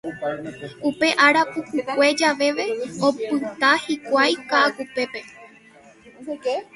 Upe ára pukukue javeve opyta hikuái Ka'akupépe.